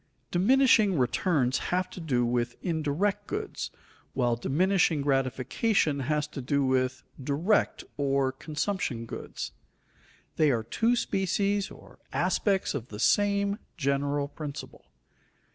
_ Diminishing returns have to do with indirect goods, while diminishing gratification has to do with direct or consumption goods. They are two species or aspects of the same general principle.